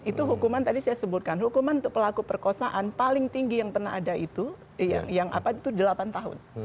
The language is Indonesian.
itu hukuman tadi saya sebutkan hukuman untuk pelaku perkosaan paling tinggi yang pernah ada itu yang apa itu delapan tahun